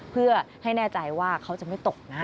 เพื่อให้แน่ใจว่าเขาจะไม่ตกนะ